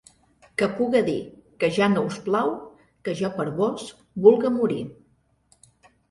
Que puga dir que ja no us plau que jo per vós vulga morir.